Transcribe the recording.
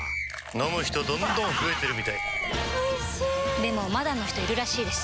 飲む人どんどん増えてるみたいおいしでもまだの人いるらしいですよ